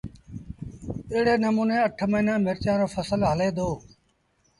ايڙي نموٚني اٺ مهينآݩ مرچآݩ رو ڦسل هلي دو